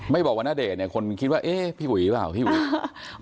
ไม่บอกว่าณเดชน์เนี่ยคนคิดว่าเอ๊ะพี่หวีหรือเปล่าพี่หวี